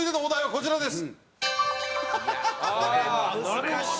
こちらです。